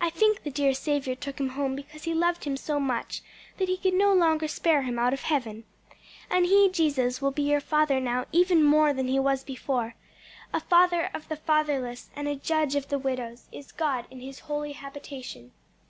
I think the dear Saviour took him home because He loved him so much that He could no longer spare him out of heaven. And He, Jesus, will be your Father now even more than He was before: 'A father of the fatherless and a judge of the widows is God in his holy habitation.'"